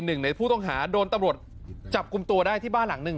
หนึ่งในผู้ต้องหาโดนตำรวจจับกลุ่มตัวได้ที่บ้านหลังหนึ่ง